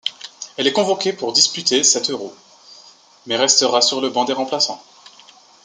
Elle est convoquée pour disputer cet Euro, mais restera sur le banc des remplaçants.